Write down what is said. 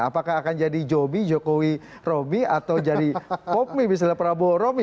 apakah akan jadi joby jokowi roby atau jadi popmi misalnya prabowo romi